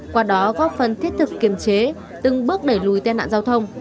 qua đó góp phần thiết thực kiềm chế từng bước đẩy lùi tai nạn giao thông